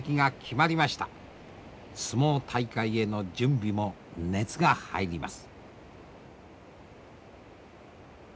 相撲大会への準備も熱が入ります。